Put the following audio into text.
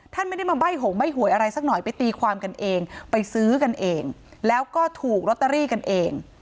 ท่านไม่ได้มาใบ้หงใบ้หวยอะไรสักหน่อยไปตีความกันเองไปซื้อกันเองแล้วก็ถูกลอตเตอรี่กันเอง